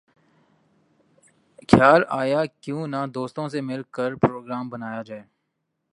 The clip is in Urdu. خیال آیا کہ کیوں نہ دوستوں سے مل کر پروگرام بنایا جائے